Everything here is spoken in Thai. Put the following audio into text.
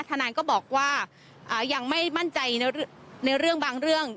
ทนายก็บอกว่ายังไม่มั่นใจในเรื่องบางเรื่อง